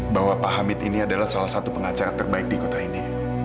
bahwa pak hamid ini adalah salah satu pengacara terbaik di kota ini